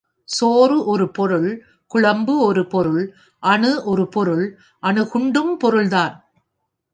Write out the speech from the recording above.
சோறு ஒரு பொருள் குழம்பு ஒரு பொருள் அணு ஒரு பொருள் அணு குண்டும் பொருள்தான்.